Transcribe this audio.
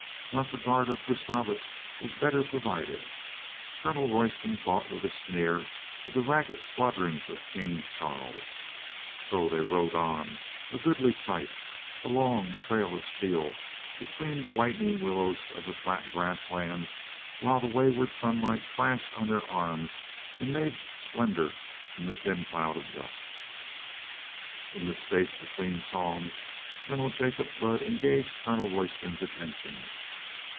Not the guard of Gustavus was better provided. Colonel Royston thought with a sneer of the ragged squadrons of King Charles. So they rode on, a goodly sight, a long trail of steel, between the whitening willows of the flat grass lands, while the wayward sunlight flashed on their arms and made splendor in the thin cloud of dust. In a space between psalms Colonel Jacob Budd engaged Colonel Royston's attention.